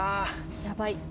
やばい。